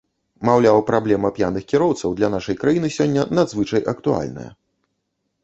Маўляў, праблема п'яных кіроўцаў для нашай краіны сёння надзвычай актуальная.